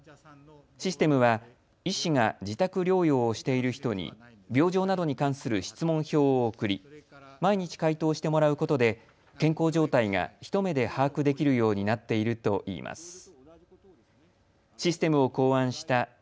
システムは医師が自宅療養をしている人に病状などに関する質問票を送り毎日、回答してもらうことで健康状態が一目で把握できるようになっているといいます。